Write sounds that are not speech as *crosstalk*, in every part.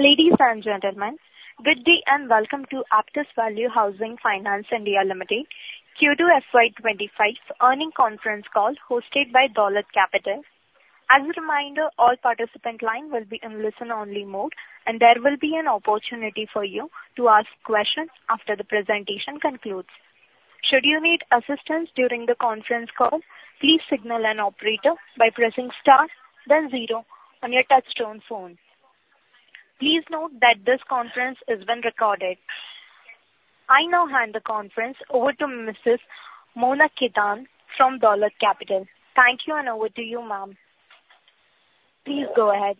Ladies and gentlemen, good day and welcome to Aptus Value Housing Finance India Limited Q2 FY25 earnings conference call hosted by Dolat Capital. As a reminder, all participant lines will be in listen-only mode, and there will be an opportunity for you to ask questions after the presentation concludes. Should you need assistance during the conference call, please signal an operator by pressing star, then zero on your touch-tone phone. Please note that this conference is being recorded. I now hand the conference over to Mrs. Mona Khetan from Dolat Capital. Thank you, and over to you, ma'am. Please go ahead.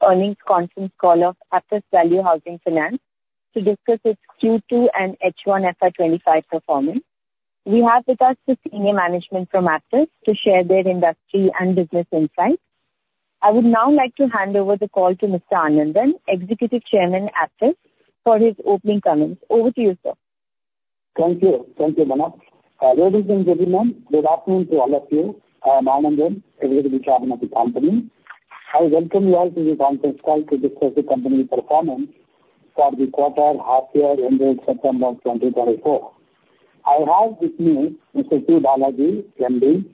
Earnings conference call of Aptus Value Housing Finance to discuss its Q2 and H1 FY 2025 performance. We have with us the senior management from Aptus to share their industry and business insights. I would now like to hand over the call to Mr. Anandan, Executive Chairman of Aptus, for his opening comments. Over to you, sir. Thank you. Thank you, Mona. Good evening, good evening. Good afternoon to all of you. My name is Anandan. I'm the Chairman of the company. I welcome you all to this conference call to discuss the company's performance for the quarter, half-year, ending September 2024. I have with me Mr. P. Balaji, MD,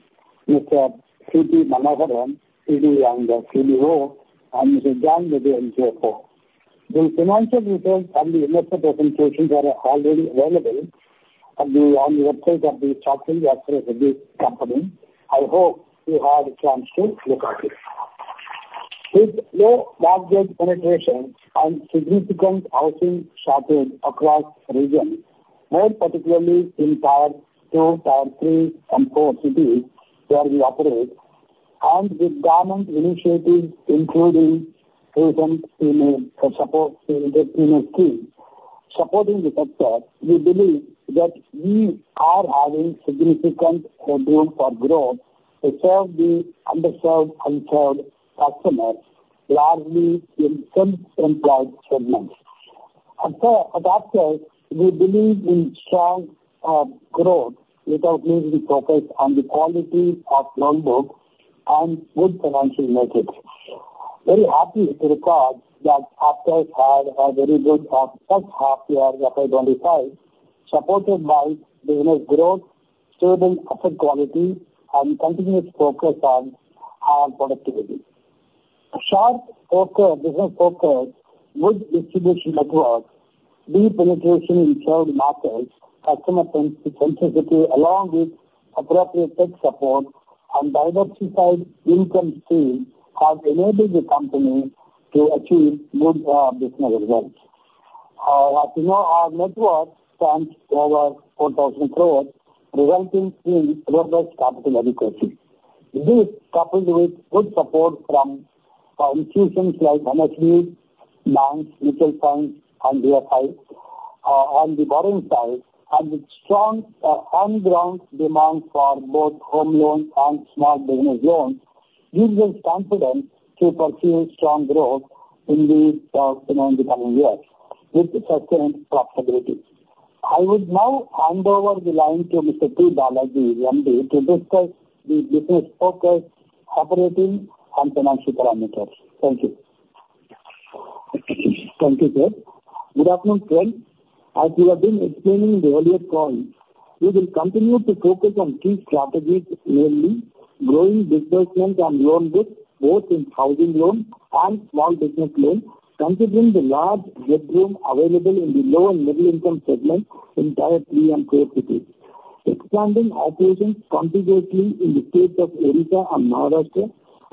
Mr. C. T. Manoharan, Executive Director and CBO, and Mr. Sanjay Mittal, the CFO. The financial results and the investor presentations are already available on the *audio distortion* company. I hope you have a chance to look at it. With low mortgage penetration and significant housing shortage across regions, more particularly in Tier 2, Tier 3, and Tier 4 cities where we operate, and with government initiatives including recent support schemes supporting the sector, we believe that we are having significant headroom for growth to serve the underserved and unserved customers, largely in self-employed segments. At Aptus, we believe in strong growth without losing focus on the quality of loan books and good financial metrics. Very happy to report that Aptus had a very good first half-year of 2025, supported by business growth, stable asset quality, and continuous focus on higher productivity. Sharp focus, business focus, good distribution networks, deep penetration in shared markets, customer sensitivity, along with appropriate tech support and diversified income streams have enabled the company to achieve good business results. As you know, our network stands over 4,000 crores, resulting in robust capital adequacy. This, coupled with good support from institutions like NHB, banks, mutual funds, and DFI on the borrowing side, and with strong on-ground demand for both home loans and small business loans, gives us confidence to pursue strong growth in the coming years with sustained profitability. I would now hand over the line to Mr. P. Balaji, MD, to discuss the business focus, operating, and financial parameters. Thank you. Thank you, sir. Good afternoon, friends. As we have been explaining in the earlier call, we will continue to focus on key strategies, namely growing disbursement and loan books, both in housing loans and small business loans, considering the large headroom available in the low and middle-income segments in Tier 3 and 4 cities, expanding operations contiguously in the states of Odisha and Maharashtra,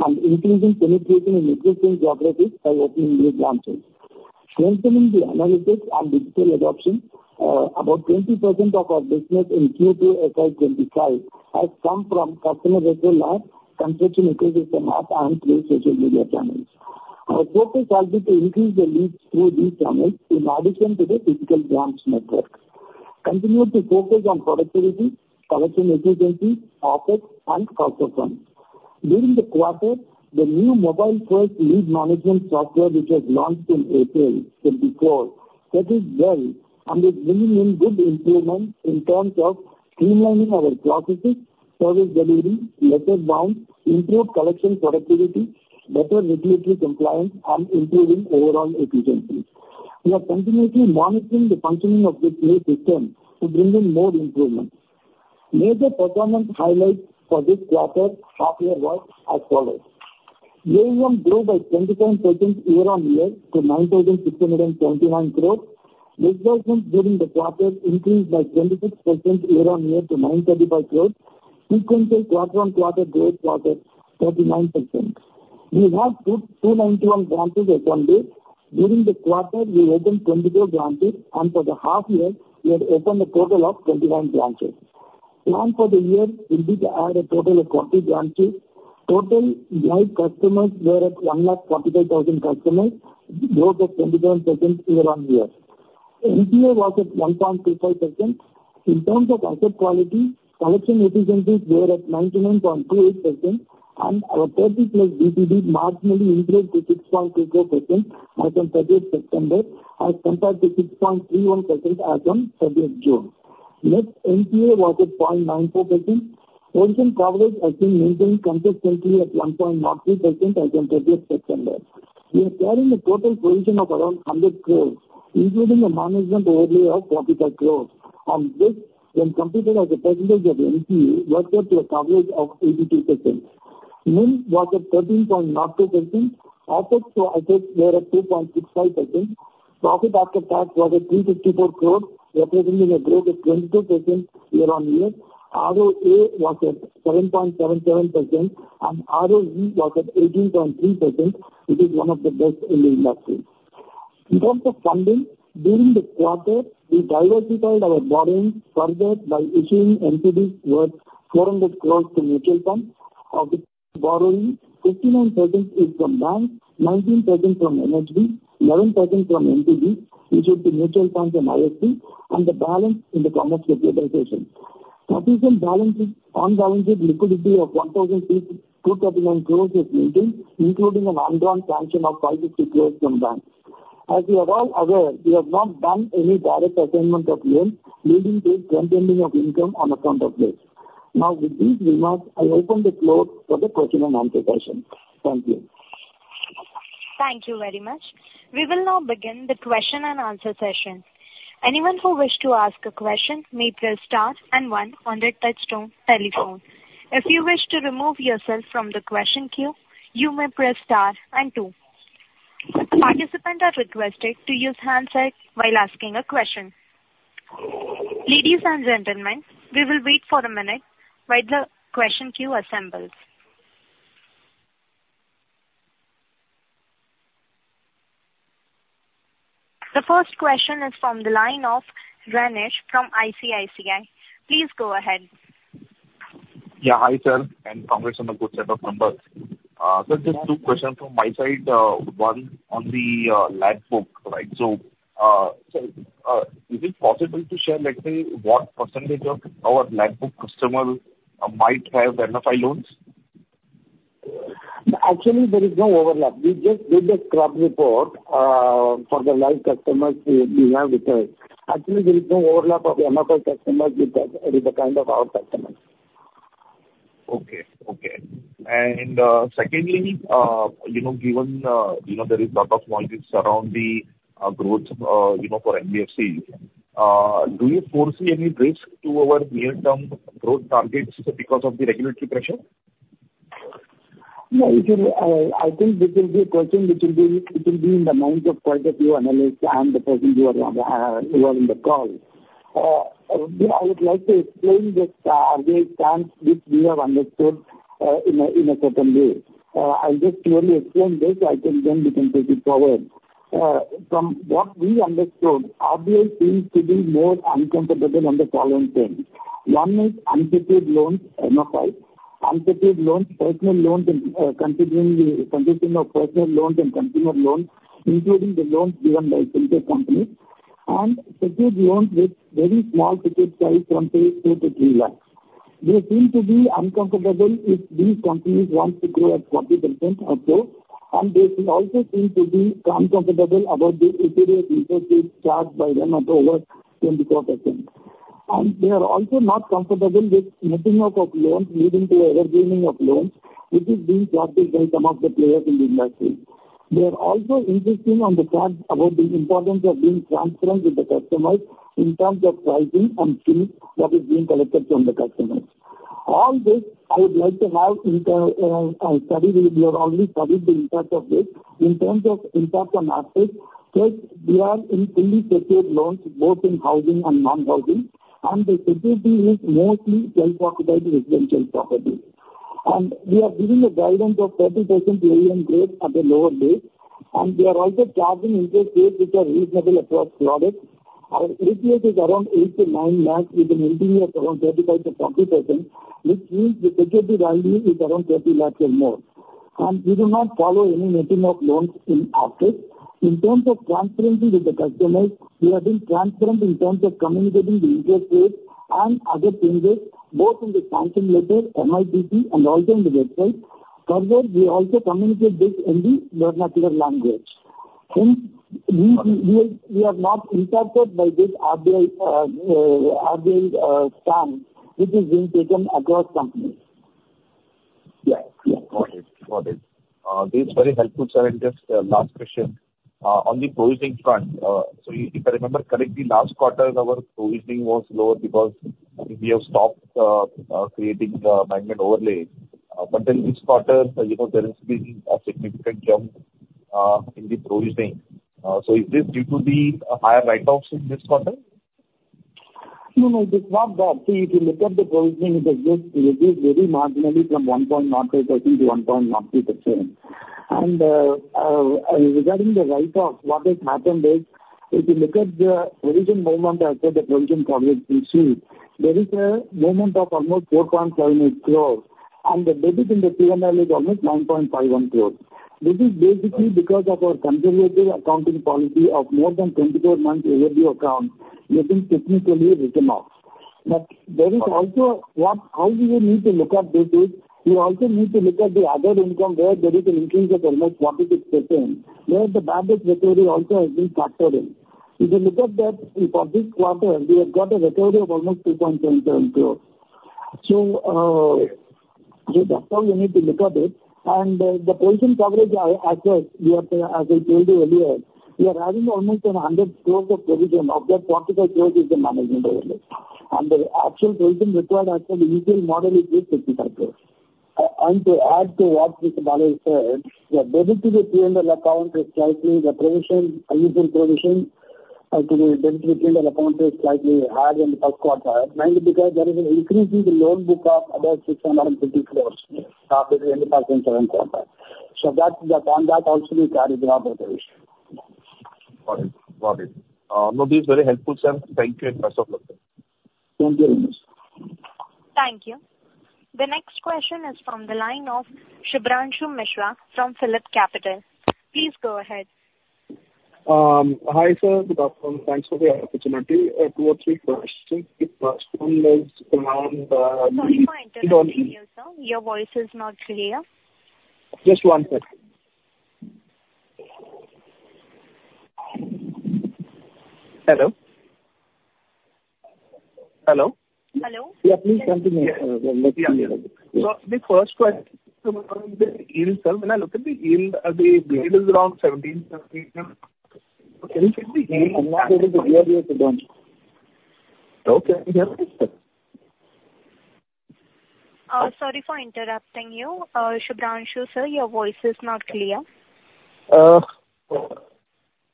and increasing penetration in existing geographies by opening new branches. Strengthening the analytics and digital adoption, about 20% of our business in Q2 FY 2025 has come from customer referral, customer application, and through social media channels. Our focus will be to increase the leads through these channels in addition to the physical branch networks. Continue to focus on productivity, collection efficiency, OpEx, and cost of funds. During the quarter, the new mobile-first lead management software, which was launched in April 2024, settled well and is bringing in good improvements in terms of streamlining our processes, service delivery, turnaround, improved collection productivity, better regulatory compliance, and improving overall efficiency. We are continuously monitoring the functioning of this new system to bring in more improvements. Major performance highlights for this quarter half-year work as follows: AUM grew by 27% year-on-year to 9,629 crores, disbursement during the quarter increased by 26% year-on-year to 935 crores, sequential quarter-on-quarter growth was at 39%. We have 291 branches as of today. During the quarter, we opened 24 branches, and for the half-year, we had opened a total of 29 branches. Plan for the year will be to add a total of 40 branches. Total live customers were at 145,000 customers, growth of 27% year-on-year. NPA was at 1.25%. In terms of asset quality, collection efficiencies were at 99.28%, and our 30+ DPD marginally improved to 6.24% as of 30th September, as compared to 6.31% as of 30th June. Net NPA was at 0.94%. Provision coverage has been maintained consistently at 1.03% as of 30th September. We are carrying a total provision of around 100 crores, including a management overlay of 45 crores. On this, when computed as a percentage of NPA, it was set to a coverage of 82%. NIM was at 13.02%. Cost to assets were at 2.65%. Profit after tax was at INR 354 crores, representing a growth of 22% year-on-year. ROA was at 7.77%, and ROE was at 18.3%, which is one of the best in the industry. In terms of funding, during the quarter, we diversified our borrowing further by issuing NCD worth 400 crores to mutual funds of the borrowing. 59% is from banks, 19% from NHB, 11% from NCD, which is the mutual funds, *audio distortion* and the balance in the securitization. The balance sheet liquidity of INR 1,239 crores is maintained, including an undrawn portion of INR 560 crores from banks. As you are all aware, we have not done any direct assignment of loans, leading to no upfronting of income on account of this. Now, with these remarks, I open the floor for the question-and-answer session. Thank you. Thank you very much. We will now begin the question-and-answer session. Anyone who wishes to ask a question may press star and one on their touch-tone telephone. If you wish to remove yourself from the question queue, you may press star and two. Participants are requested to use the handset while asking a question. Ladies and gentlemen, we will wait for a minute while the question queue assembles. The first question is from the line of Renish from ICICI. Please go ahead. Yeah, hi sir. And congrats on a good set of numbers. Sir, just two questions from my side. One on the LAP book, right? So is it possible to share, let's say, what percentage of our LAP book customers might have MFI loans? Actually, there is no overlap. We just did the scrub report for the live customers we have with us. Actually, there is no overlap of MFI customers with the kind of our customers. Okay, okay. And secondly, given there is a lot of noise surrounding growth for NBFC, do you foresee any risk to our near-term growth targets because of the regulatory pressure? No, I think this will be a question which will be in the minds of quite a few analysts and the persons who are in the call. I would like to explain this RBI stance, which we have understood in a certain way. I'll just slowly explain this so I can, then we can take it forward. From what we understood, RBI seems to be more uncomfortable on the following things. One is unsecured loans, MFI, unsecured loans, personal loans, considering the transition of personal loans and consumer loans, including the loans given by similar companies, and secured loans with very small secured size from, say, 2-3 lakhs. They seem to be uncomfortable if these companies want to grow at 40% or so, and they also seem to be uncomfortable about the usurious interest rates charged by them at over 24%. And they are also not comfortable with the splitting of, of loans leading to the evergreening of loans, which is being practiced by some of the players in the industry. They are also interested in the fact about the importance of being transparent with the customers in terms of pricing and fees that are being collected from the customers. All this, I would like to have a study where we have already studied the impact of this. In terms of impact on assets, first, we are in fully secured loans, both in housing and non-housing, and the security is mostly self-occupied residential properties. And we are giving a guidance of 30% AUM growth at the lower base, and we are also charging interest rates which are reasonable across products. Our ATS is around 8-9 lakhs, with an interest rate of around 35%-40%, which means the security value is around 30 lakhs or more. We do not follow any netting of loans in assets. In terms of transparency with the customers, we have been transparent in terms of communicating the interest rates and other changes, both in the sanction letter, MITC, and also on the website. Further, we also communicate this in the vernacular language. Hence, we are not interfered by this RBI stance, which is being taken across companies. Yes, yes, got it. Got it. This is very helpful, sir, and just last question. On the provisioning front, so if I remember correctly, last quarter, our provisioning was lower because we have stopped creating the management overlay, but then this quarter, there has been a significant jump in the provisioning, so is this due to the higher write-offs in this quarter? No, no, it is not that. If you look at the provisioning, it has just reduced very marginally from 1.05% to 1.03%, and regarding the write-offs, what has happened is, if you look at the provision movement, I said the provision coverage ratio, there is a movement of almost 4.78 crores, and the debit in the P&L is almost 9.51 crores. This is basically because of our conservative accounting policy of more than 24 months overdue accounts, which is technically written off. But there is also how we need to look at this is, we also need to look at the other income where there is an increase of almost 46%, where the bad recovery also has been factored in. If you look at that, for this quarter, we have got a recovery of almost 2.77 crores. So that's how we need to look at it. The next question is from the line of Shubhranshu Mishra from PhillipCapital. Please go ahead. Hi sir, good afternoon. Thanks for the opportunity. Two or three questions. The first one is around. Sorry to interrupt you, sir. Your voice is not clear. Just one second. Hello. Hello. Hello. Yeah, please continue. Let's see. So the first question is, when I look at the yield, the yield is around 17%. Can you check the yield? I'm not able to hear you, Shubhranshu. Okay. You hear me, sir? Sorry for interrupting you, Shubhranshu, sir. Your voice is not clear.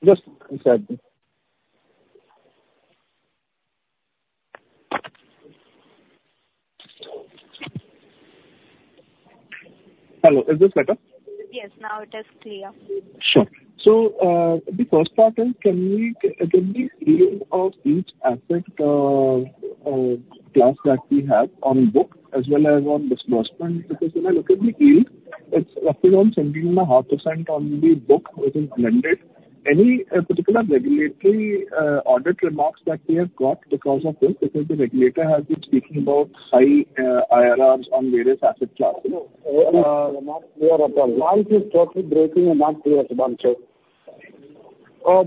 Just a second. Hello, is this better? Yes, now it is clear. Sure. So the first question, can we see of each asset class that we have on book as well as on disbursement? Because when I look at the yield, it's roughly around 17.5% on the book which is blended. Any particular regulatory audit remarks that we have got because of this? Because the regulator has been speaking about high IRRs on various asset classes. No, we are at the largest total booking amount we have done, sir.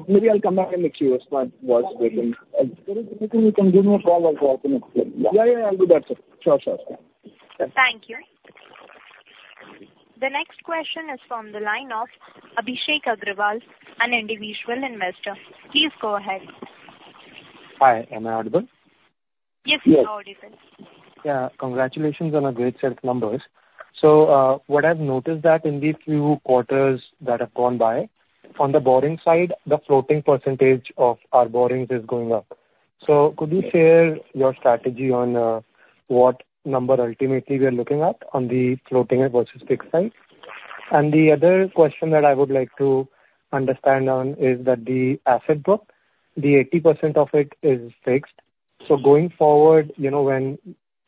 Maybe I'll come back and make sure it's not worse breaking. You can give me a call as well to explain. Yeah, yeah, yeah. I'll do that, sir. Sure, sure. Thank you. The next question is from the line of Abhishek Agrawal, an individual investor. Please go ahead. Hi, am I audible? Yes, you are audible. Yeah, congratulations on a great set of numbers. So what I've noticed that in these few quarters that have gone by, on the borrowing side, the floating percentage of our borrowings is going up. So could you share your strategy on what number ultimately we are looking at on the floating versus fixed side? And the other question that I would like to understand on is that the asset book, the 80% of it is fixed. So going forward, when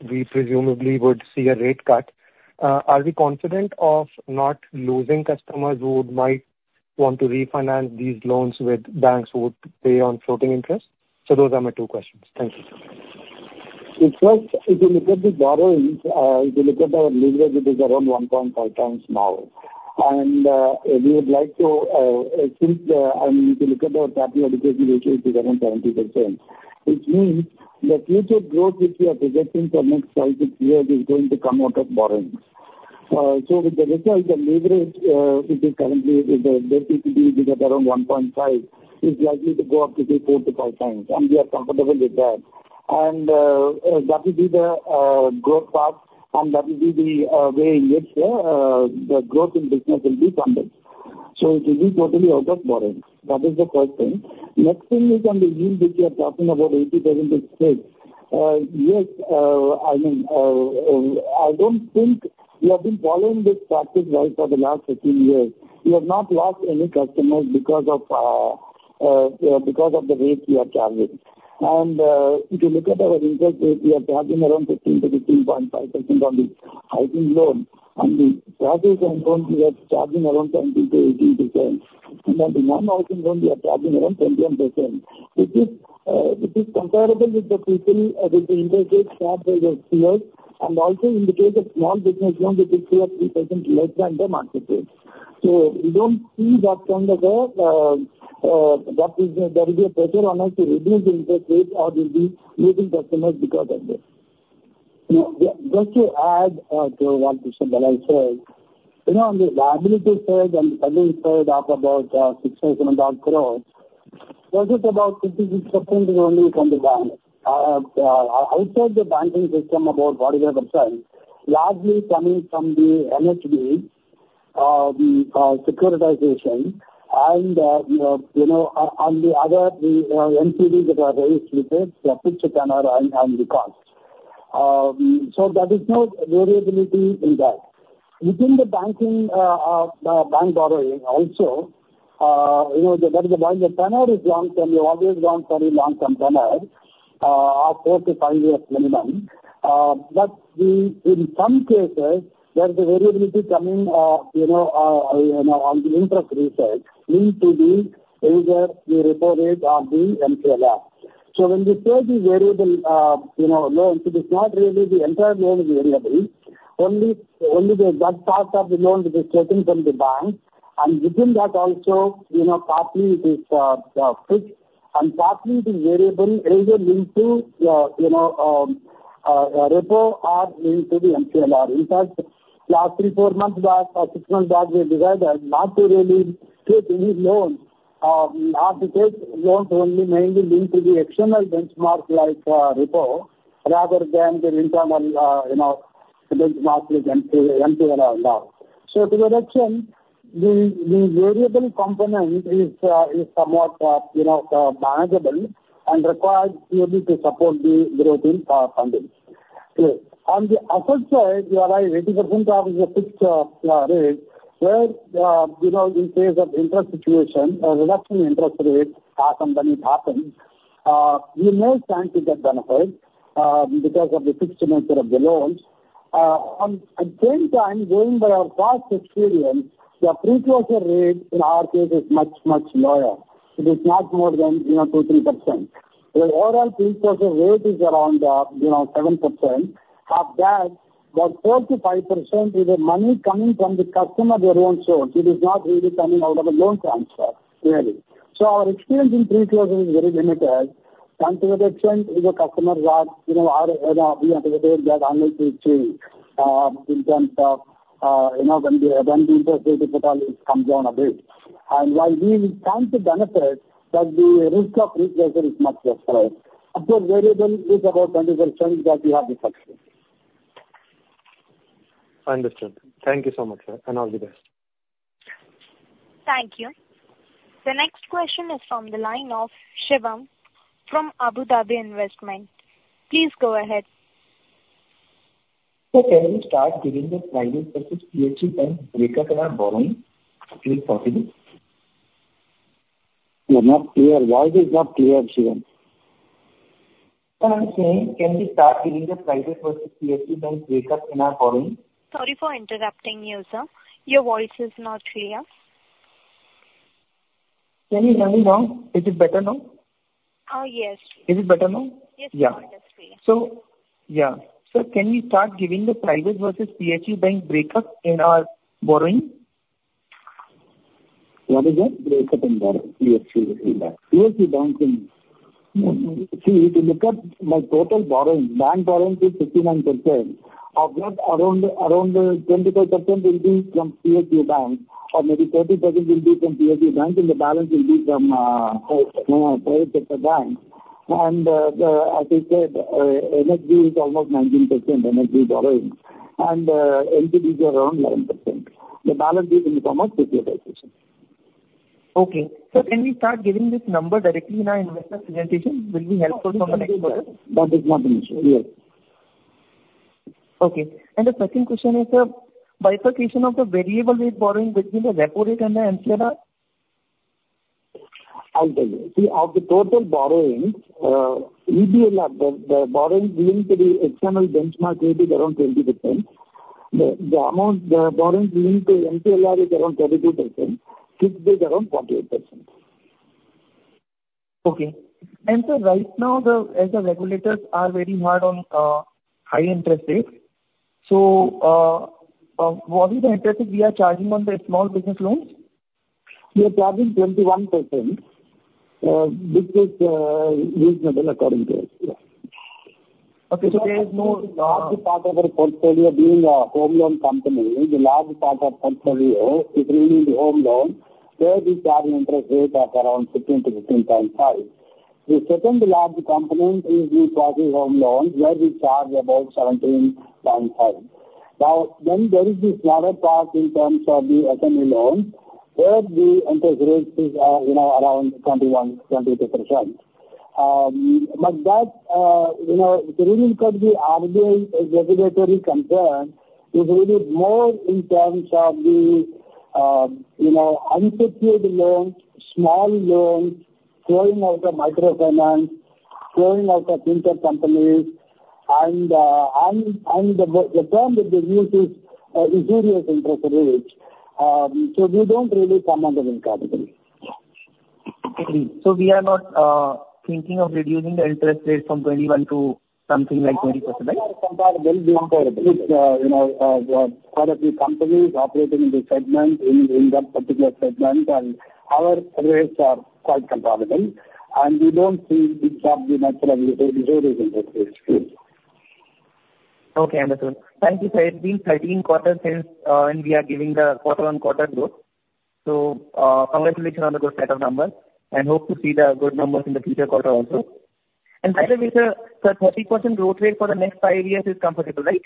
we presumably would see a rate cut, are we confident of not losing customers who might want to refinance these loans with banks who would pay on floating interest? So those are my two questions. Thank you. The first, if you look at the borrowings, if you look at our leverage, it is around 1.5x now, and we would like to, since I mean, if you look at our capital adequacy ratio, it is around 70%, which means the future growth which we are projecting for the next five to six years is going to come out of borrowings, so with the result, the leverage, which is currently at around 1.5x, is likely to go up to say four to five times, and we are comfortable with that, and that will be the growth path, and that will be the way in which the growth in business will be funded, so it will be totally out of borrowings. That is the first thing. Next thing is on the yield, which we are talking about 80% fixed. Yes, I mean, I don't think we have been following this practice well for the last 15 years. We have not lost any customers because of the rates we are charging. And if you look at our interest rate, we are charging around 15%-15.5% on the housing loan. On the service loan, we are charging around 17%-18%. And on the non-housing loan, we are charging around 21%, which is comparable with the peers with the interest rates that they were yielding. And also, in the case of small business loans, it is still at 3% less than the market rate. So we don't see that kind of a there will be a pressure on us to reduce the interest rate or we'll be losing customers because of this. Just to add to what Mr. Balaji said, on the liability side and the funding side of about 6,700 crores, this is about 56% only from the bank. Outside the banking system about 45%, largely coming from the NCD, securitization and on the other NCDs that are raised with it, the fixed tenor and the cost. So there is no variability in that. Within the bank borrowing also, there is a wide tenor is long-term. We always want very long-term tenor of four to five years minimum. But in some cases, there is a variability coming on the interest rate side linked to either the repo rate or the MCLR. So when we say the variable loan, it is not really the entire loan is variable. Only the large part of the loan which is taken from the bank, and within that also, partly it is fixed. And partly the variable is linked to repo or linked to the MCLR. In fact, last three, four months back or six months back, we decided not to really take any loans or to take loans only mainly linked to the external benchmark like repo rather than the internal benchmark with MCLR. So to that extent, the variable component is somewhat manageable and requires to be able to support the growth in funding. On the asset side, you are right, 80% of the fixed rate, where in case of interest situation, a reduction in interest rate happens, we may stand to get benefited because of the fixed nature of the loans. At the same time, going by our past experience, the pre-closure rate in our case is much, much lower. It is not more than 2%-3%. The overall pre-closure rate is around 7%. Half that, but 4%-5% is the money coming from the customer their own source. It is not really coming out of a loan transfer really. So our experience in pre-closure is very limited, and to that extent, the customers are we anticipate that unlikely change in terms of when the interest rate overall comes down a bit, and while we will stand to benefit, that the risk of pre-closure is much lesser. Of course, variable is about 20% that we have to fix. Understood. Thank you so much, sir. And all the best. Thank you. The next question is from the line of Shivam from Abu Dhabi Investment Authority. Please go ahead. Sir, can we start giving the private versus PSB bank in our borrowing? Is it possible? We are not clear. Voice is not clear, Shivam. Can you start giving the private versus PSB bank breakup in our borrowing? Sorry for interrupting you, sir. Your voice is not clear. Can you hear me now? Is it better now? Oh, yes. Is it better now? Yes, it is clear. Sir, can you start giving the private versus PSB bank breakup in our borrowing? What is that? Breakup in PSB bank. PSB banking. See, if you look at my total borrowing, bank borrowing is 59%. Of that, around 25% will be from PSB bank, or maybe 30% will be from PSB bank, and the balance will be from private sector bank. And as I said, NCD is almost 19% NCD borrowing. And NCD is around 11%. The balance is in coming from securitization. Okay. Sir, can we start giving this number directly in our investor presentation? Will be helpful from the next quarter. That is not an issue. Yes. Okay, and the second question is, sir, bifurcation of the variable rate borrowing between the repo rate and the MCLR? I'll tell you. See, of the total borrowing, the borrowing linked to the external benchmark rate is around 20%. The amount the borrowing linked to MCLR is around 32%. Fixed is around 48%. Okay. And sir, right now, as the regulators are very hard on high interest rates, so what is the interest rate we are charging on the small business loans? We are charging 21%, which is reasonable according to us. Okay. So. So there is no large part of our portfolio being a home loan company. The large part of portfolio is home loans, where we charge interest rate at around 15%-15.5%. The second large component is new construction home loans, where we charge about 17.5%. Now, then there is this smaller part in terms of the SME loans, where the interest rate is around 21%-22%. But that really could be our big regulatory concern, is really more in terms of the unsecured loans, small loans, flowing out of microfinance, flowing out of finance companies, and the term that they use is usurious interest rate. So we don't really come under this category. So we are not thinking of reducing the interest rate from 21% to something like 20%, right? We are compatible. We are compatible with quite a few companies operating in the segment, in that particular segment, and our rates are quite compatible. And we don't see the natural usurious interest rate. Okay. Understood. Thank you, sir. It's been 13 quarters since we are giving the quarter-on-quarter growth. So congratulations on the good set of numbers. And hope to see the good numbers in the future quarter also. And by the way, sir, the 30% growth rate for the next five years is comfortable, right?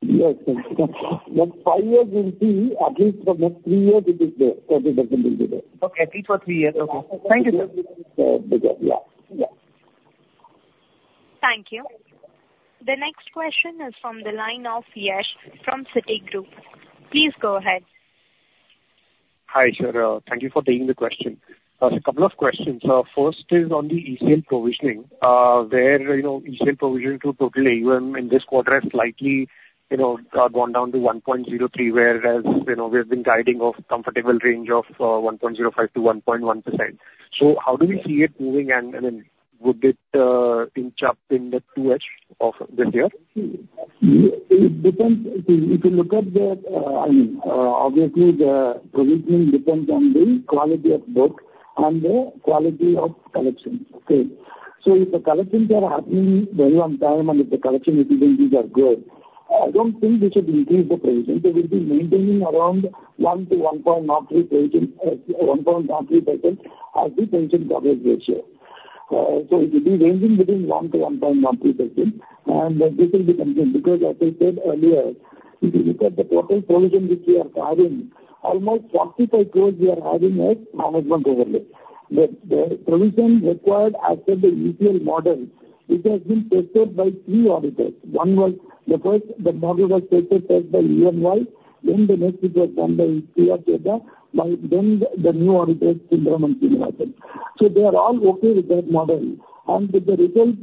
Yes. Next five years, we'll see. At least for the next three years, it is there. 30% will be there. Okay. At least for three years. Okay. Thank you, sir. Yeah. Yeah. Thank you. The next question is from the line of Yash from Citigroup. Please go ahead. Hi sir. Thank you for taking the question. There's a couple of questions. First is on the ECL provisioning, where ECL provisioning to total AUM in this quarter has slightly gone down to 1.03%, whereas we have been guiding for comfortable range of 1.05%-1.1%. So how do we see it moving? And I mean, would it inch up in the 2H of this year? It depends. If you look at the, I mean, obviously, the provisioning depends on the quality of book and the quality of collections. So if the collections are happening very on-time and if the collection efficiencies are good, I don't think we should increase the provision. So we'll be maintaining around 1%-1.03% as the provision coverage ratio. So it will be ranging between 1%-1.03%, and this will be continued because, as I said earlier, if you look at the total provision which we are carrying, almost 45 crores we are having as management overlay. The provision required as per the ECL model, which has been tested by three auditors. The first, the model was tested first by EY. Then the next, it was done by T. R. Chadha. Then the new auditors, Sundaram & Srinivasan. So they are all okay with that model. With the result,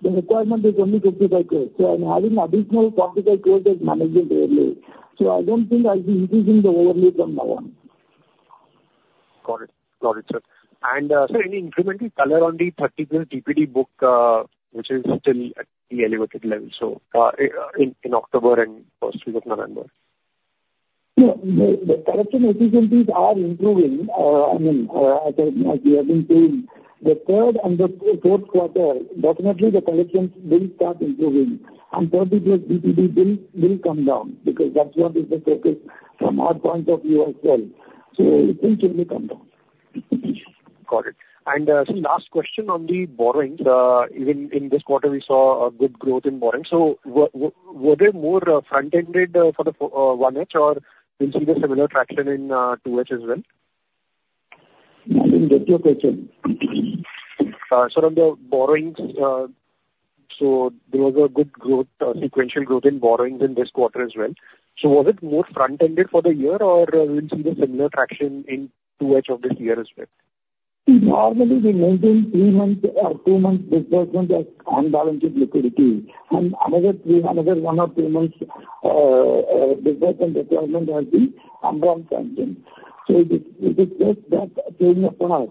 the requirement is only 55 crores. So I'm having additional 45 crores as management overlay. So I don't think I'll be increasing the overlay from now on. Got it. Got it, sir. And sir, any incremental color on the particular DPD book, which is still at the elevated level, so in October and first week of November? No. The collection efficiencies are improving. I mean, as we have been told, the third and the fourth quarter, definitely the collections will start improving. And 30+ DPD will come down because that's what is the focus from our point of view as well. So it will surely come down. Got it. And sir, last question on the borrowings. Even in this quarter, we saw good growth in borrowing. So were there more front-ended for the 1H, or did you see the similar traction in 2H as well? What was your question? Sir, on the borrowings, so there was a good growth, sequential growth in borrowings in this quarter as well. So was it more front-ended for the year, or did you see the similar traction in 2H of this year as well? Normally, we maintain two months' disbursement as undrawn liquidity. Another one or two months' disbursement requirement has been undrawn banking. It is just that change of path.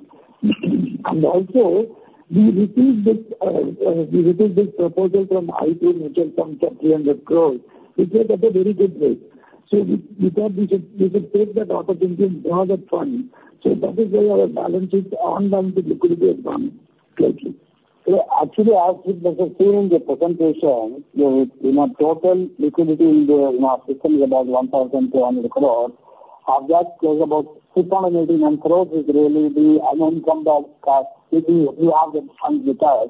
Also, we received this proposal from IFC for 300 crores. We saw that a very good rate. We thought we should take that opportunity and draw that fund. That is why our balance is undrawn liquidity at one place. Actually, as it was seen in the presentation, the total liquidity in our system is about 1,200 crores. Of that, there's about 689 crores is really the undrawn that we have with us.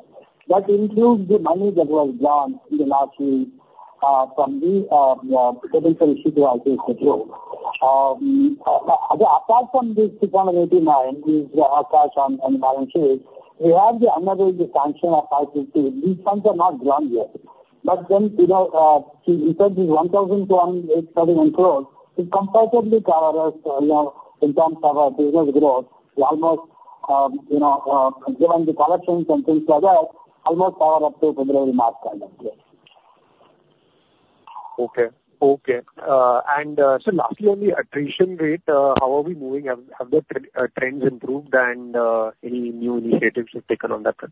That includes the money that was drawn in the last week from the potential issue to IFC. Apart from this INR 689 crores, which is our cash on balance sheet, we have the undrawn sanction of 550 crores. These funds are not drawn yet. But then we said these 1,208 crores should comfortably cover us in terms of our business growth, almost given the collections and things like that, almost power up to February mark, I guess. Okay. Okay, and sir, lastly, on the attrition rate, how are we moving? Have the trends improved, and any new initiatives you've taken on that front?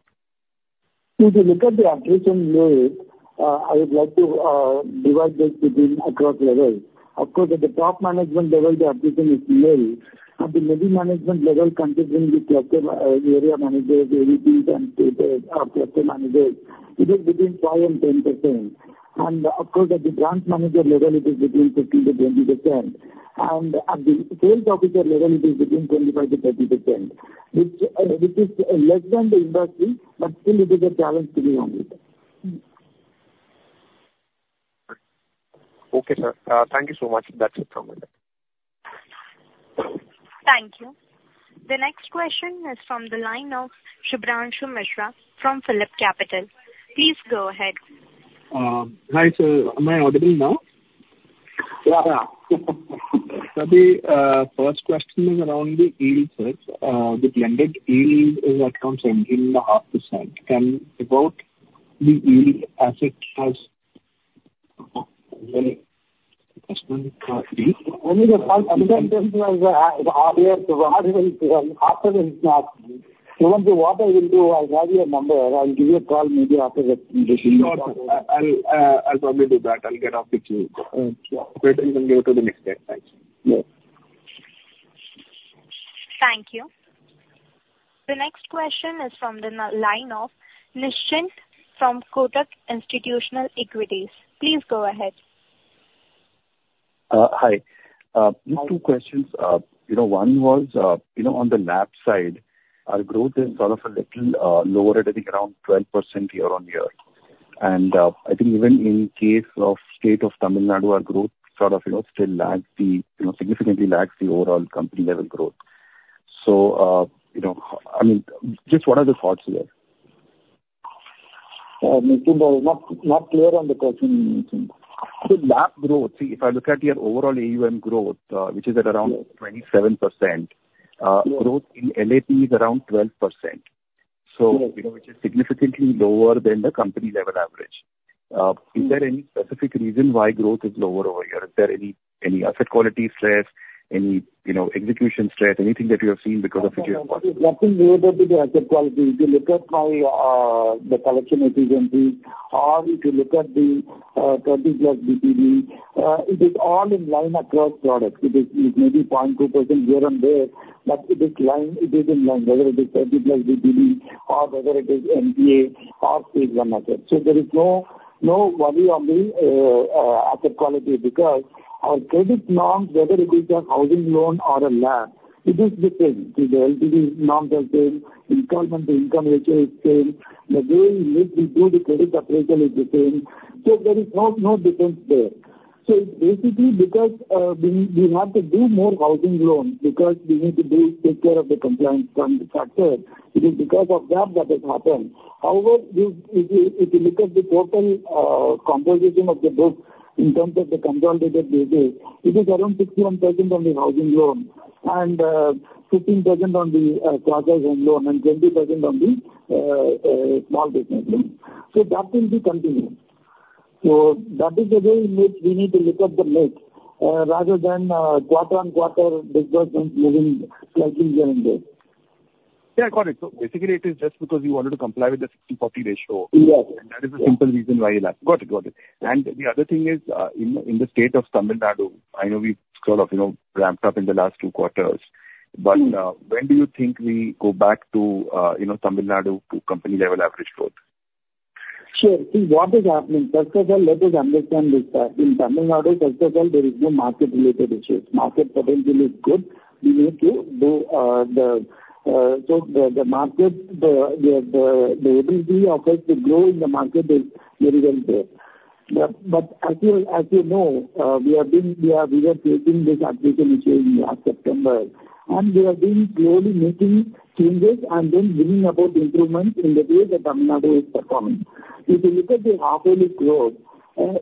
If you look at the attrition rate, I would like to divide this across levels. Of course, at the top management level, the attrition is low. At the middle management level, categories will be cluster area managers, AVPs, and cluster managers. It is between 5% and 10%. Of course, at the branch manager level, it is between 15%-20%. And at the sales officer level, it is between 25%-30%, which is less than the industry, but still, it is a challenge to deal with. Okay, sir. Thank you so much. That's it from my side. Thank you. The next question is from the line of Shubhranshu Mishra from PhillipCapital. Please go ahead. Hi sir. Am I audible now? So the first question is around the yield, sir. The blended yield is at around 17.5%. Can we hold the yield as it has? Only the fund. I mean, the fund is harder to ask. What I will do, I'll have your number. I'll give you a call maybe after the meeting. Sure. I'll probably do that. I'll get off the queue. Great. I'll give it to the next guy. Thanks. Thank you. The next question is from the line of Nischint from Kotak Institutional Equities. Please go ahead. Hi. Just two questions. One was on the LAP side, our growth is sort of a little lower, I think around 12% year-on-year, and I think even in case of state of Tamil Nadu, our growth sort of still significantly lags the overall company-level growth, so I mean, just what are the thoughts here? Not clear on the question you mentioned. LAP growth, see, if I look at your overall AUM growth, which is at around 27%, growth in LAP is around 12%. It is significantly lower than the company-level average. Is there any specific reason why growth is lower over here? Is there any asset quality stress, any execution stress, anything that you have seen because of which you have? Nothing related to the asset quality. If you look at the collection efficiency or if you look at the 30+ DPD, it is all in line across products. It is maybe 0.2% here and there, but it is in line, whether it is 30+ DPD or whether it is NPA or Stage 1 assets. So there is no value on the asset quality because our credit norms, whether it is a housing loan or a LAP, it is the same. The LTV norms are the same. Income and the income ratio is the same. The way we do the credit appraisal is the same. So there is no difference there. So it's basically because we have to do more housing loans because we need to take care of the compliance factors. It is because of that that it happened. However, if you look at the total composition of the book in terms of the consolidated basis, it is around 61% on the housing loan and 15% on the affordable home loan and 20% on the small business loan. So that will be continued. So that is the way in which we need to look at the mix rather than quarter-on-quarter disbursements moving slightly here and there. Yeah. Got it. So basically, it is just because you wanted to comply with the 60/40 ratio. Yes. And that is the simple reason why you left. Got it. Got it. And the other thing is, in the state of Tamil Nadu, I know we sort of ramped up in the last two quarters. But when do you think we go back to Tamil Nadu to company-level average growth? Sure. See, what is happening, first of all, let us understand this that in Tamil Nadu, first of all, there is no market-related issues. Market potential is good. We need to do the so the market, the ability of us to grow in the market is very well there. But as you know, we are facing this attrition issue in last September. And we have been slowly making changes and then bringing about improvements in the way that Tamil Nadu is performing. If you look at the half-yearly growth,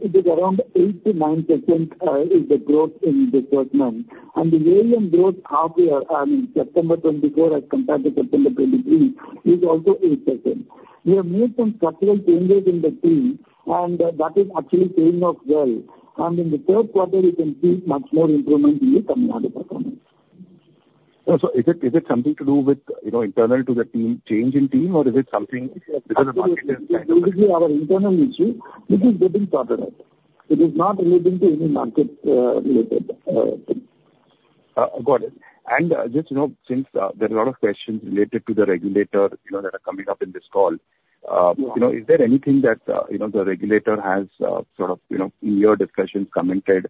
it is around 8%-9% is the growth in disbursement. And the year-end growth half-year, I mean, September 2024 as compared to September 2023, is also 8%. We have made some structural changes in the team, and that is actually paying off well. And in the third quarter, we can see much more improvement in the Tamil Nadu performance. And so, is it something to do with internal to the team, change in team, or is it something because the market is? It is obviously our internal issue, which is getting sorted out. It is not relating to any market-related thing. Got it. And just since there are a lot of questions related to the regulator that are coming up in this call, is there anything that the regulator has sort of in your discussions commented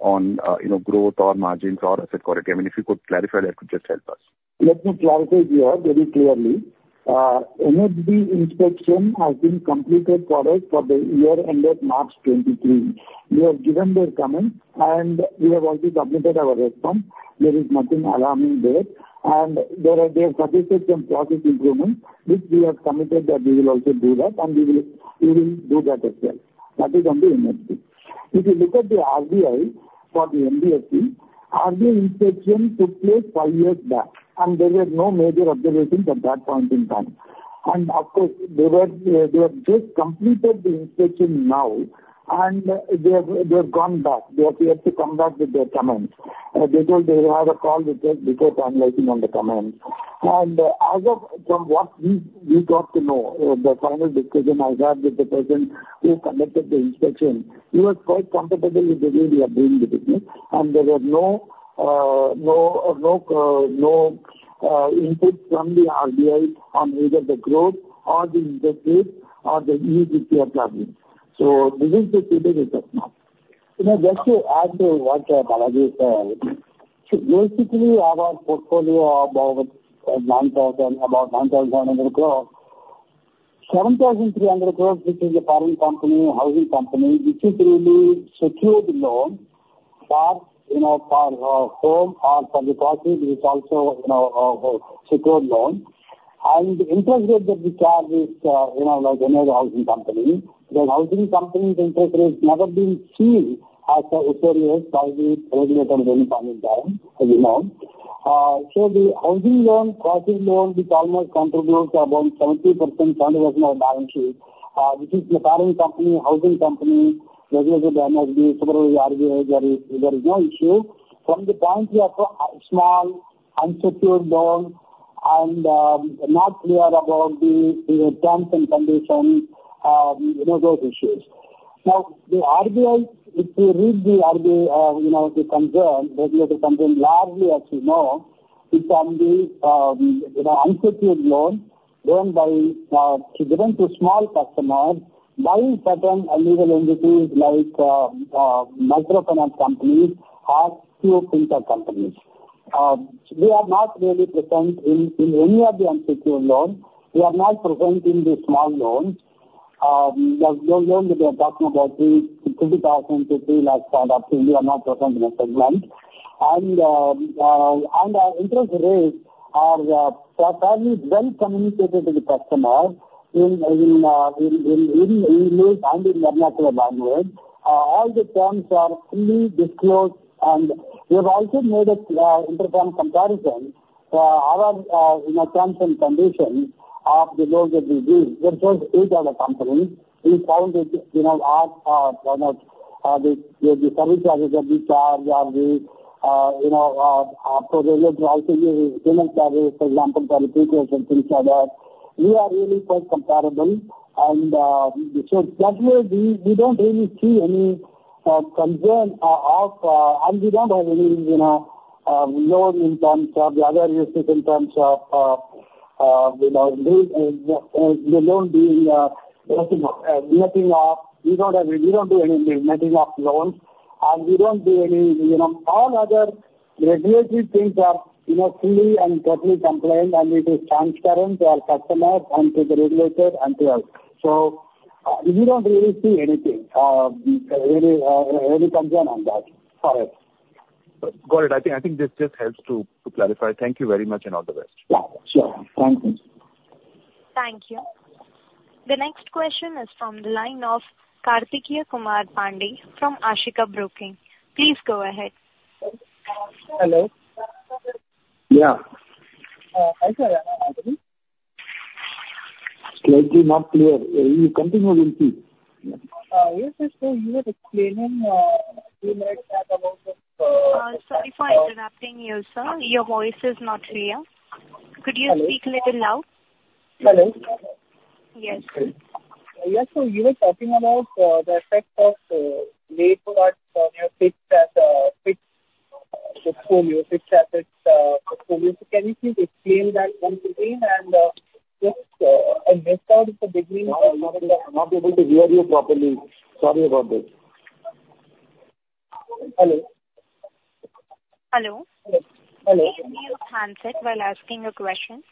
on growth or margins or asset quality? I mean, if you could clarify, that would just help us. Let me clarify here very clearly. NHB inspection has been completed for us for the year-end of March 2023. We have given their comment, and we have also submitted our response. There is nothing alarming there, and they have suggested some process improvements, which we have submitted that we will also do that, and we will do that as well. That is on the NHB. If you look at the RBI for the NBFC, RBI inspection took place five years back, and there were no major observations at that point in time, and of course, they have just completed the inspection now, and they have gone back. They appeared to come back with their comments. They told they had a call with us before finalizing on the comments. As of from what we got to know, the final discussion I had with the person who conducted the inspection, he was quite comfortable with the way we are doing the business. There were no inputs from the RBI on either the growth or the index rate or the ECL level. This is the state of the situation. Just to add to what Balaji said, so basically, our portfolio of about INR 9,500 crores, INR 7,300 crores, which is a parent company, housing company, which is really secured loan for home or for the property, which is also a secured loan. And the interest rate that we charge is like any other housing company. The housing company's interest rate has never been seen as serious as the regulatory any time in time, as you know. The housing loan, property loan, which almost contributes to about 70%, 20% of the balance sheet, which is the parent company, housing company, regulated by NHB, supervised by RBI, there is no issue. From the point of a small unsecured loan and not clear about the terms and conditions, those issues. Now, the RBI, if you read the RBI concern, regulator concern largely as you know, it can be unsecured loan given by small customers by certain legal entities like microfinance companies or few fintech companies. We are not really present in any of the unsecured loans. We are not present in the small loans. The loans that we are talking about, 3,000-3,500, we are not present in the segment. And our interest rates are fairly well communicated to the customer in English and in their natural language. All the terms are fully disclosed. We have also made an internal comparison for our terms and conditions of the loans that we give. There's just eight other companies. We found that the service charges that we charge are the pro-rata charges, payment charges, for example, for the pre-closure and things like that. We are really quite comparable. So that way, we don't really see any concern of, and we don't have any loan in terms of the other issues in terms of the loan being messing up. We don't do anything messing up loans. We don't do any all other regulatory things are fully and totally compliant, and it is transparent to our customers and to the regulator and to us. We don't really see anything, any concern on that for us. Got it. I think this just helps to clarify. Thank you very much and all the best. Yeah. Sure. Thank you. Thank you. The next question is from the line of Kartikeya Kumar Pandey from Ashika Broking. Please go ahead. Hello. Yeah. I said I am. Slightly not clear. You continue please. Yes, sir. So you were explaining a few minutes ago about the. Sorry for interrupting you, sir. Your voice is not clear. Could you speak a little louder? Hello. Yes. Yes. You were talking about the effect of repo on your fixed portfolio, fixed assets portfolio. Can you please explain that once again and just list out from the beginning? I'm not able to hear you properly. Sorry about that. Hello. Hello? Hello. Can you mute handset while asking your questions?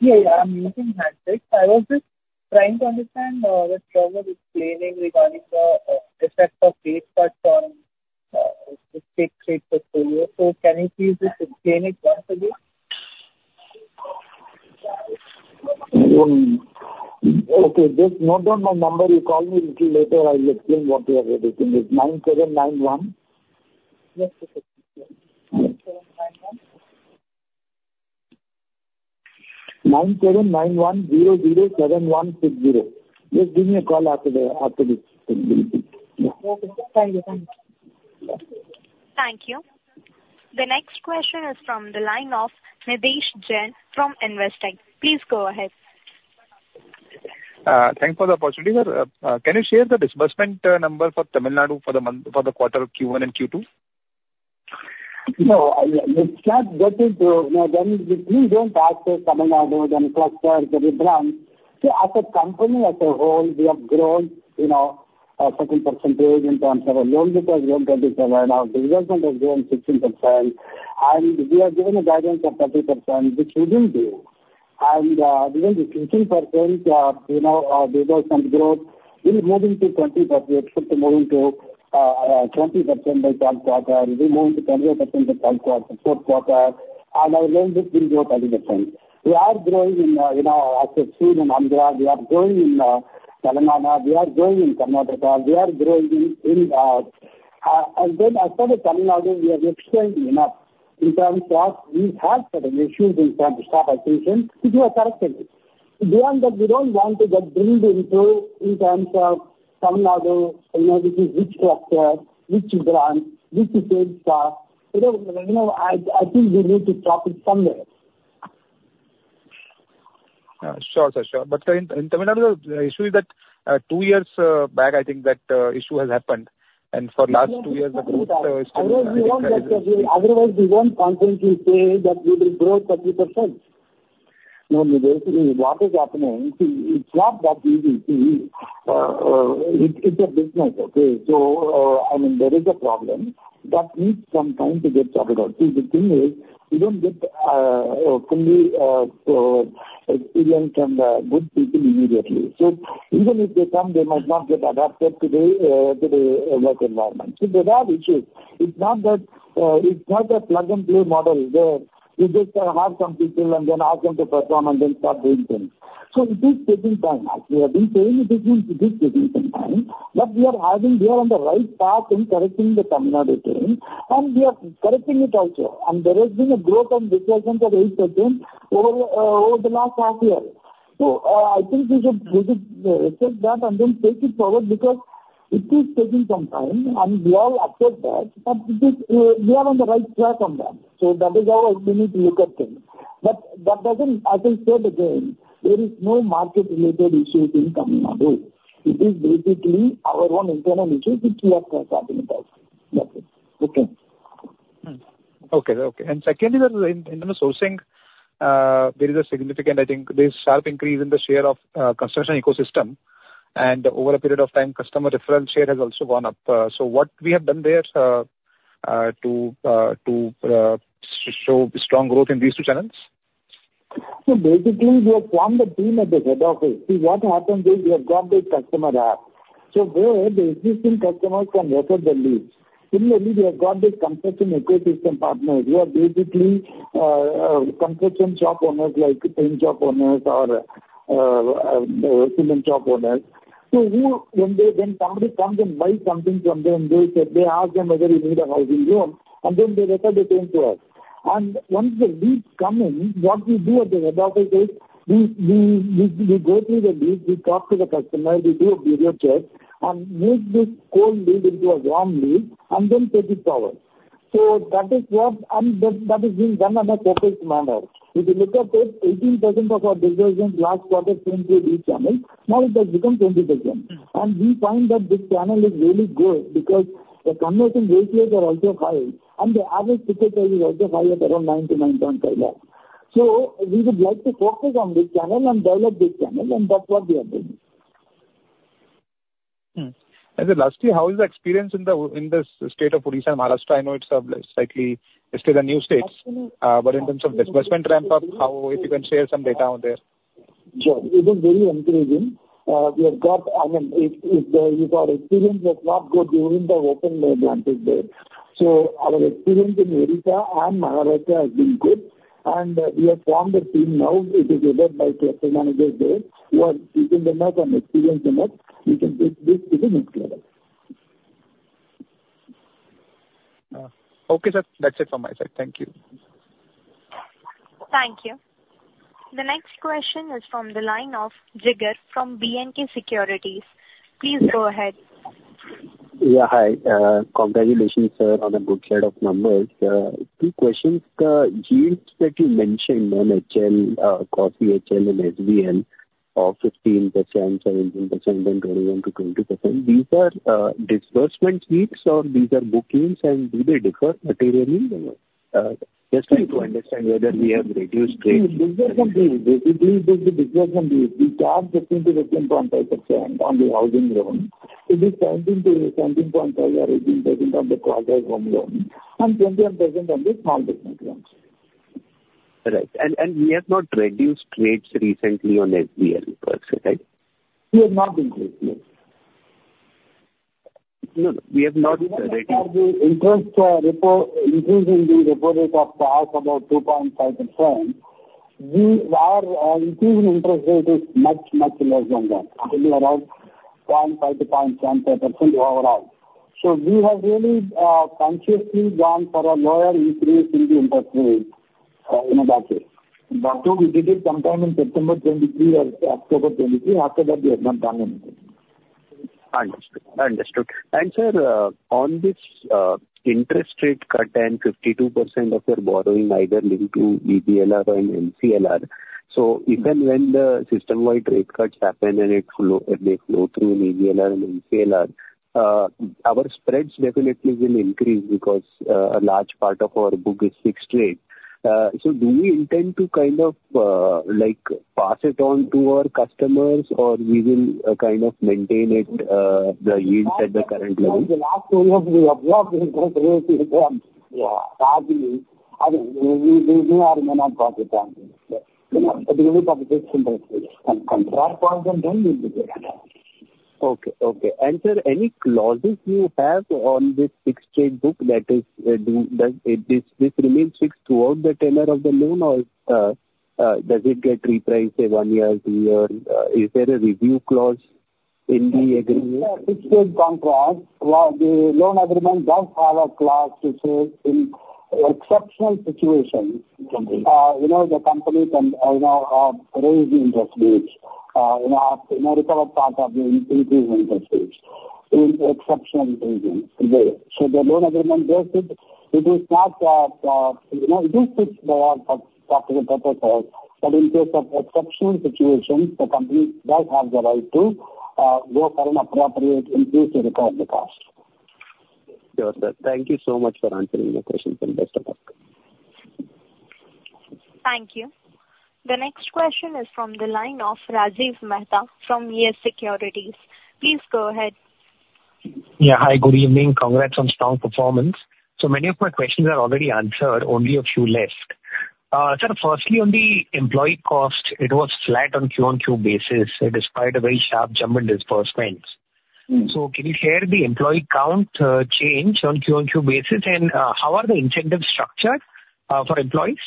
Yeah. Yeah. I'm muting handset. I was just trying to understand what you were explaining regarding the effect of rate cuts on the fixed rate portfolio. So can you please just explain it once again? Okay. Just note down my number. You call me a little later, I'll explain what you have taken. It's 9791. Yes. 9791 007160. Just give me a call after this. Okay. Thank you. Thank you. Thank you. The next question is from the line of Nidhesh Jain from Investec. Please go ahead. Thanks for the opportunity, sir. Can you share the disbursement number for Tamil Nadu for the quarter. Q1 and Q2? No. Let's start getting to no, then please don't ask for Tamil Nadu and close to the rebound. So as a company as a whole, we have grown a certain percentage in terms of our loan because we have got this rebound. Our disbursement has grown 16%. And we have given a guidance of 30%, which we will do. And within the 15%, our disbursement growth, we'll move into 20%. We expect to move into 20% by third quarter. We'll move into 20% by fourth quarter. And our loan will grow 30%. We are growing in Assam and Andhra. We are growing in Telangana. We are growing in Karnataka. We are growing in. And then as for Tamil Nadu, we have explained enough in terms of we have certain issues in terms of extension. It was corrected. Beyond that, we don't want to get drilled into in terms of Tamil Nadu, which is which cluster, which branch, which is which stock. I think we need to stop it somewhere. Sure. Sure. But in Tamil Nadu, the issue is that two years back, I think that issue has happened, and for the last two years, the growth is still intact. Otherwise, we won't get there. Otherwise, we won't confidently say that we will grow 30%. No. What is happening, see, it's not that easy. It's a business, okay? So I mean, there is a problem that needs some time to get sorted out. See, the thing is, we don't get fully experienced and good people immediately. So even if they come, they might not get adapted to the work environment. So there are issues. It's not that, it's not a plug-and-play model where you just hire some people and then ask them to perform and then start doing things. So it is taking time. As we have been saying, it is taking time. But we are on the right path in correcting the Tamil Nadu chain, and we are correcting it also, and there has been a growth and disbursement of 8% over the last half year. So I think we should take that and then take it forward because it is taking some time, and we all accept that. But we are on the right track on that. So that is how we need to look at things. But as I said again, there is no market-related issues in Tamil Nadu. It is basically our own internal issues which we have to start with. That's it. Okay. Okay. Okay. And secondly, in sourcing, there is a significant, I think, there is sharp increase in the share of construction ecosystem. And over a period of time, customer referral share has also gone up. So what we have done there to show strong growth in these two channels? So basically, we have formed a team at the head office. See, what happens is we have got this customer app. So there, the existing customers can refer the leads. Similarly, we have got this construction ecosystem partners who are basically construction shop owners like paint shop owners or sanitary shop owners. So when somebody comes and buys something from them, they ask them whether they need a housing loan, and then they refer the lead to us. And once the leads come in, what we do at the head office is we go through the leads, we talk to the customer, we do a video check, and make this cold lead into a warm lead, and then take it forward. So that is what and that is being done in a focused manner. If you look at it, 18% of our disbursement last quarter came through these channels. Now it has become 20%. And we find that this channel is really good because the conversion ratios are also high, and the average ticket price is also high at around 9-9.5 lakhs. So we would like to focus on this channel and develop this channel, and that's what we are doing. And then lastly, how is the experience in the state of Odisha and Maharashtra? I know it's slightly still a new state. But in terms of disbursement ramp-up, if you can share some data on there. Sure. It is very encouraging. We have got, I mean, if our experience was not good during the onboarding phase there, so our experience in Odisha and Maharashtra has been good, and we have formed a team now. It is led by cluster managers there who are sourcing the talent and experience in those areas. We can take this to the next level. Okay, sir. That's it from my side. Thank you. Thank you. The next question is from the line of Jigar from B&K Securities. Please go ahead. Yeah. Hi. Congratulations, sir, on a strong set of numbers. Two questions. The yields that you mentioned on HL, AHL, and SBL of 15%, 17%, and 21% to 20%, these are disbursement yields or these are book yields, and do they differ materially? Just trying to understand whether we have reduced rates. Disbursement yields, basically, the disbursement yields, we charge 15%-17.5% on the housing loan. It is 17%-17.5% or 18% on the affordable home loan and 21% on the small business loans. Right. And we have not reduced rates recently on SBL, per se, right? We have not increased. No. We have had the interest increase in the repo rate in the past about 2.5%. Our increase in interest rate is much, much less than that, around 0.5%-0.75% overall. So we have really consciously gone for a lower increase in the interest rate in that case. So we did it sometime in September 2023 or October 2023. After that, we have not done anything. Understood. Understood. And sir, on this interest rate cut and 52% of your borrowing either linked to EBLR or an MCLR. So even when the system-wide rate cuts happen and they flow through an EBLR and MCLR, our spreads definitely will increase because a large part of our book is fixed rate. So do we intend to kind of pass it on to our customers, or we will kind of maintain the yields at the current level? The last two years, we have lost interest rates in terms of. Yeah. Sadly, I mean, we are in an unprofitable position. But we will publish interest rates and that point in time, we will be there. Okay. Okay. And sir, any clauses you have on this fixed rate book that is this remains fixed throughout the tenor of the loan, or does it get repriced, say, one year, two years? Is there a review clause in the agreement? It's a fixed rate contract, while the loan agreement does have a clause which says in exceptional situations, the company can raise the interest rates to recover a part of the increased costs in exceptional cases. So the loan agreement, it is not that it is fixed by our regulator's office, but in case of exceptional situations, the company does have the right to go for an appropriate increase to recover the cost. Sure, sir. Thank you so much for answering my questions. And best of luck. Thank you. The next question is from the line of Rajiv Mehta from YES Securities. Please go ahead. Yeah. Hi. Good evening. Congrats on strong performance. So many of my questions are already answered, only a few left. Sir, firstly, on the employee cost, it was flat on Q-on-Q basis despite a very sharp jump in disbursements. So can you share the employee count change on Q-on-Q basis, and how are the incentives structured for employees?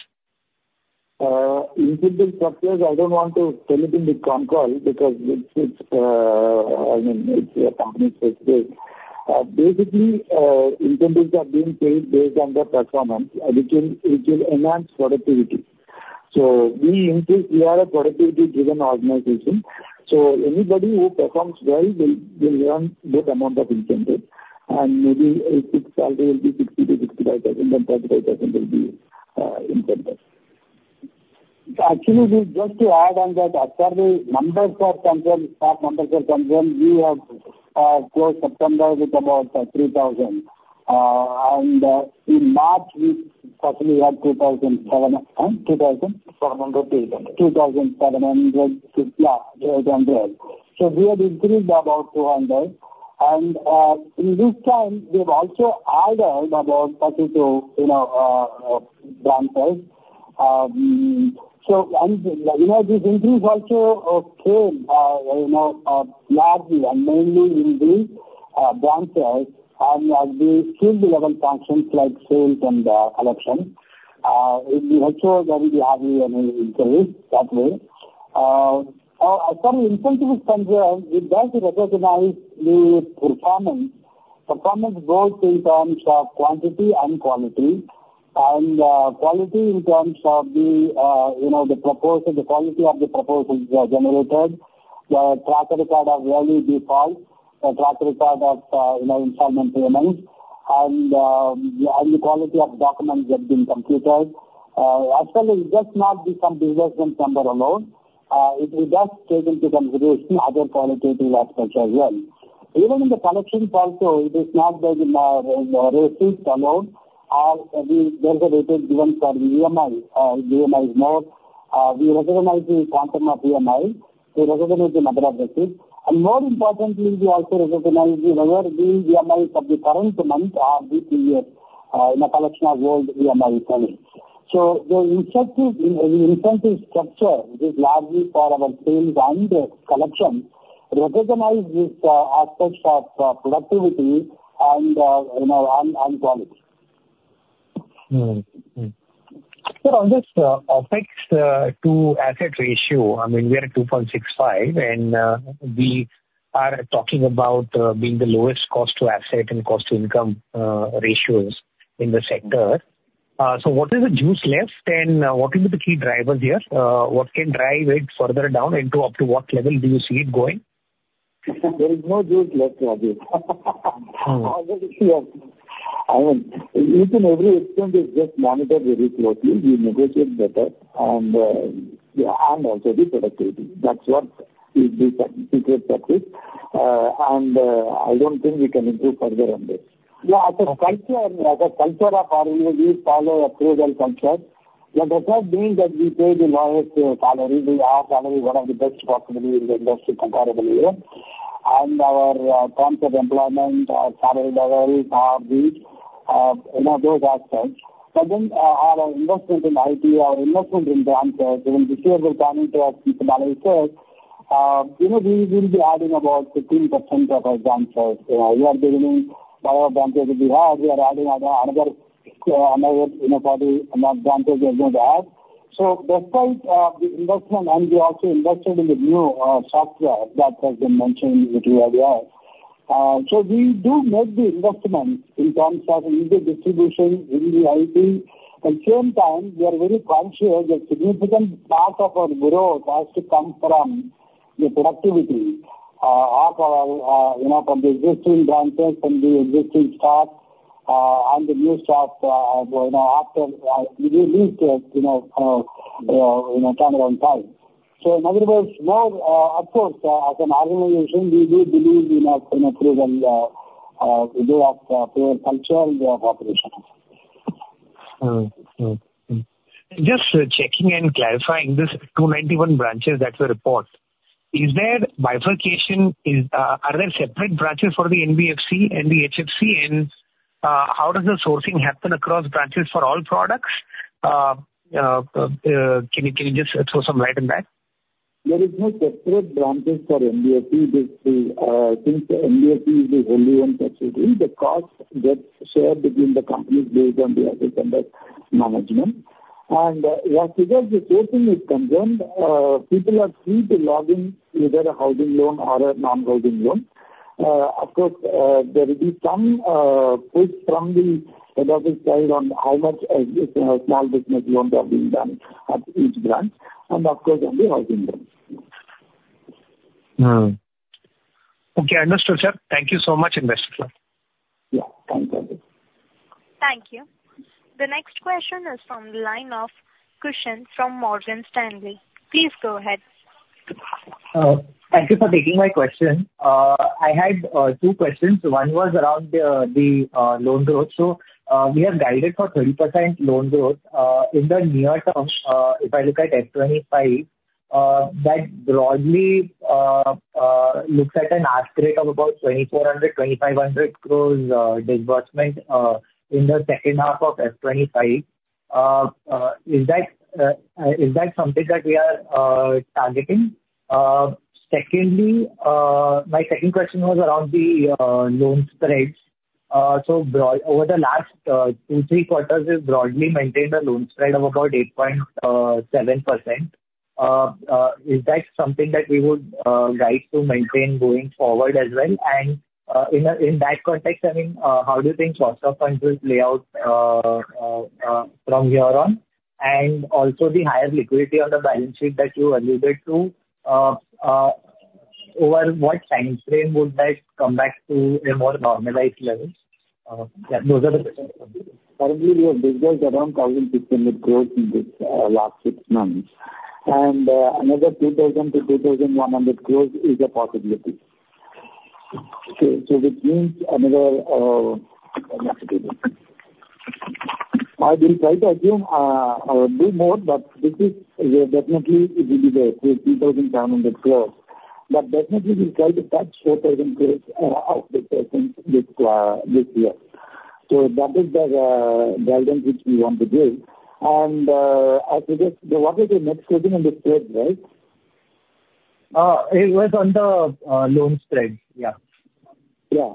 Incentive structures, I don't want to spell it in the conference call because it's I mean, it's company specific. Basically, incentives are being paid based on their performance, which will enhance productivity. So we are a productivity-driven organization. So anybody who performs well will earn a good amount of incentive, and maybe a fixed salary will be 60%-65%, and 35% will be incentive. Actually, just to add on that, actually, such numbers are concerned. We have closed September with about 3,000. And in March, we possibly had 2,700. Huh? 2,000? 2,700. 2,700. Yeah, 800. We have increased about 200. In this time, we have also added about 32 branches. This increase also came largely and mainly in the branches, and we still do level functions like sales and collection. It is also very heavy and increased that way. Actually, incentive is concerned, it does recognize the performance both in terms of quantity and quality, and quality in terms of the proposal, the quality of the proposals generated, the track record of early default, the track record of installment payments, and the quality of documents that have been computed, as well as just not the disbursement number alone. It does take into consideration other qualitative aspects as well. Even in the collections also, it is not based on receipts alone. There's a rate given for the EMI. The EMI is more. We recognize the content of EMI. We recognize the number of receipts, and more importantly, we also recognize whether the EMIs of the current month are in arrears in a collection of old EMIs only, so the incentive structure, which is largely for our sales and collections, recognizes these aspects of productivity and quality. Sir, on this fixed cost-to-asset ratio, I mean, we are at 2.65%, and we are talking about being the lowest cost-to-asset and cost-to-income ratios in the sector. So what is the juice left, and what are the key drivers here? What can drive it further down, and to up to what level do you see it going? There is no juice left, Rajiv. I mean, within every extent, it's just monitored very closely. We negotiate better, and also the productivity. That's what is the secret. I don't think we can improve further on this. Yeah. As a, our culture over here, we follow a frugal culture. That does not mean that we pay the lowest salary. Our salary is one of the best possible in the industry comparable here. Our terms of employment, our salary level, those aspects. Our investment in IT, our investment in branches, even this year we're planning to add some smaller branches. We will be adding about 15% of our branches. We are beginning one of our branches that we have. We are adding another 40 branches. So despite the investment, and we also invested in the new software that has been mentioned a little earlier. So we do make the investment in terms of easy distribution in the IT. At the same time, we are very conscious that significant part of our growth has to come from the productivity of our existing branches, from the existing stock, and the new stock after we release it in a turnaround time. So in other words, of course, as an organization, we do believe in a prudent way of our culture and way of operation. Just checking and clarifying this 291 branches that we report, is there bifurcation? Are there separate branches for the NBFC and the HFC, and how does the sourcing happen across branches for all products? Can you just throw some light on that? There is no separate branches for NBFC. I think NBFC is the only one such as this. The cost gets shared between the companies based on the asset under management, and as regards to sourcing is concerned, people are free to log in either a housing loan or a non-housing loan. Of course, there will be some push from the head office side on how much small business loans are being done at each branch, and of course, on the housing loans. Okay. I understood, sir. Thank you so much and best of luck. Yeah. Thanks, Rajiv. Thank you. The next question is from the line of Kushan from Morgan Stanley. Please go ahead. Thank you for taking my question. I had two questions. One was around the loan growth. So we have guided for 30% loan growth in the near term. If I look at FY 2025, that broadly looks at an ask rate of about 2,400-2,500 crores disbursement in the second half of FY 2025. Is that something that we are targeting? Secondly, my second question was around the loan spreads. So over the last two, three quarters, we've broadly maintained a loan spread of about 8.7%. Is that something that we would guide to maintain going forward as well? And in that context, I mean, how do you think short-term funds will play out from here on? And also the higher liquidity on the balance sheet that you alluded to, over what time frame would that come back to a more normalized level? Yeah. Those are the questions. Currently, we have disbursed around 1,600 crores in these last six months. And another 2,000-2,100 crores is a possibility. So which means another I will try to assume a bit more, but this is definitely it will be there, 2,700 crores. But definitely, we will try to touch 4,000 crores of this disbursements this year. So that is the guidance which we want to give. And as for this, what was your next question on the spread, right? It was on the loan spread. Yeah. Yeah.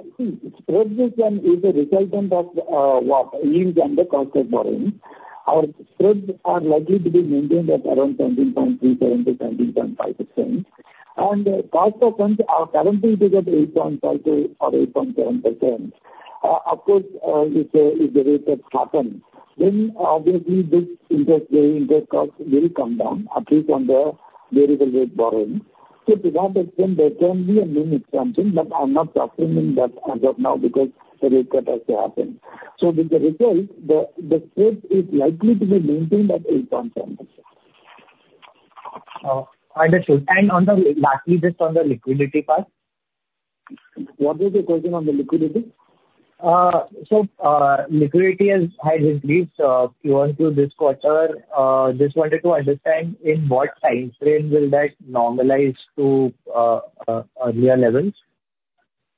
Spread is a result of what? Yields and the cost of borrowing. Our spreads are likely to be maintained at around 17.37%-17.5%. Cost of funds are currently below 8.5%-8.7%. Of course, if the rate cuts happen, then obviously this interest rate, interest cost will come down, at least on the variable rate borrowing. To that extent, there can be a new expansion, but I'm not assuming that as of now because the rate cut has to happen. With the result, the spread is likely to be maintained at 8.7%. Understood. And lastly, just on the liquidity part. What was your question on the liquidity? So liquidity has increased Q1 to this quarter. Just wanted to understand in what timeframe will that normalize to earlier levels?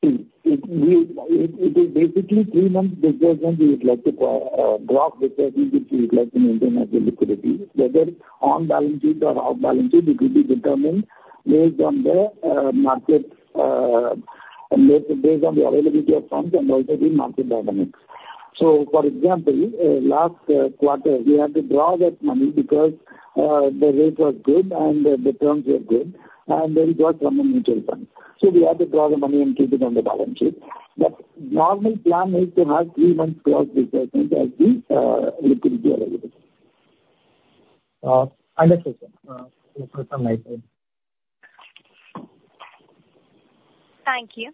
It is basically three months gross disbursement we would like to draw for the spread which we would like to maintain as the liquidity. Whether on balance sheet or off balance sheet, it will be determined based on the market, based on the availability of funds and also the market dynamics. So for example, last quarter, we had to draw that money because the rate was good and the terms were good, and then it was from the mutual funds. So we had to draw the money and keep it on the balance sheet. But normal plan is to have three months gross disbursement as the liquidity availability. Understood, sir. Thank you. Thank you.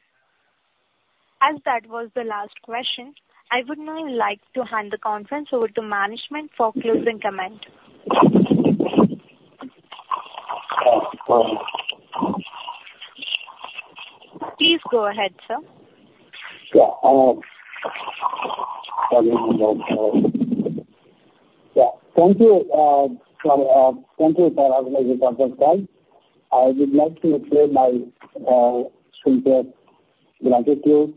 As that was the last question, I would now like to hand the conference over to management for closing comment. Please go ahead, sir. Yeah. Thank you for attending the conference call. I would like to extend my sincere gratitude to all analysts and investors who have taken time to listen to us today. Please feel free to contact Mr. Balaji thereafter in case you have any further queries. Thank you. Thank you. Thank you, everyone. On behalf of Dolat Capital, that concludes this conference. Thank you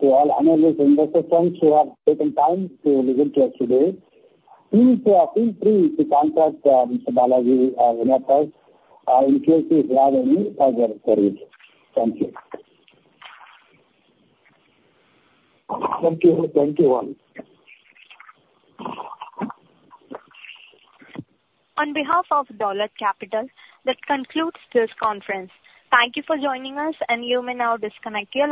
for joining us, and you may now disconnect here.